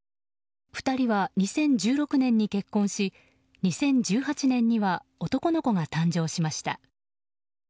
２人は２０１６年に結婚し２０１８年には男の子が誕生しました。